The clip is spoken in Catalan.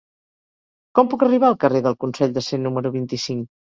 Com puc arribar al carrer del Consell de Cent número vint-i-cinc?